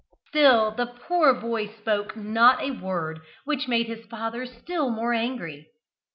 Still the poor boy spoke not a word, which made his father still more angry.